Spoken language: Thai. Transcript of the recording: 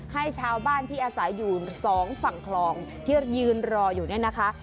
ให้ชาวบ้านที่อาศัยอยู่สองฝั่งคลองที่ยืนรออยู่เนี่ยนะคะ